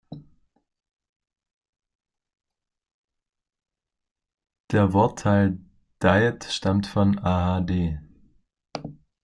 Der Wortteil „diet“ stammt von ahd.